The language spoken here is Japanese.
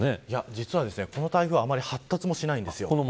実はこの台風あまり発達しないんです。